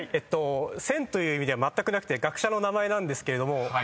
線という意味でまったくなくて学者の名前なんですけれども。